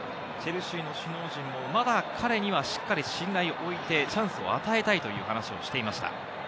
チェルシーの首脳陣もまだ彼にはしっかり信頼をおいてチャンスを与えたいという話をしていました。